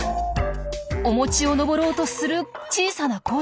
お餅を登ろうとする小さな甲虫。